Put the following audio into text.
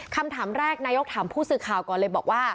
คำถามแรกนายกถามผู้สื่อข่าวก่อนเลยบอกว่า